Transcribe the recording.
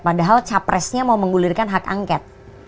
padahal capresnya mau menggulirkan hak angket